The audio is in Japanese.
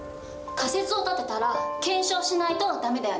仮説を立てたら検証しないと駄目だよね。